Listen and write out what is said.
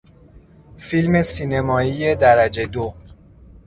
فیلم سینمایی درجهی دو